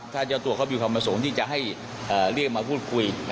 ถ้าเจ้าตัวเขามีความประสงค์ที่จะให้เรียกมาพูดคุย